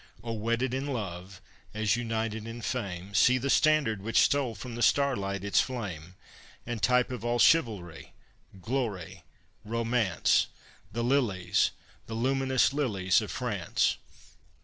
Oh! wedded in love, as united in fame, See the standard which stole from the starlight its flame, And type of all chivalry, glory, romance, The lilies, the luminous lilies of France.